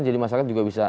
jadi masyarakat juga bisa